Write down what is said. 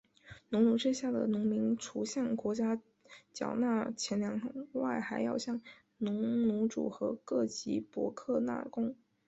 农奴制下的农民除向国家缴纳钱粮外还要向农奴主和各级伯克纳贡。